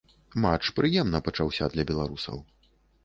Матч прыемна пачаўся для беларусаў.